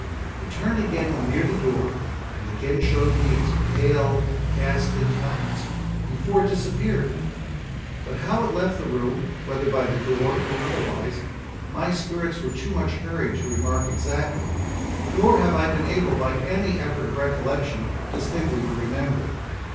It turned again when near the door, and again showed me its pale, ghastly countenance, before it disappeared. But how it left the room, whether by the door, or otherwise, my spirits were too much hurried to remark exactly; nor have I been able, by any effort of recollection, distinctly to remember."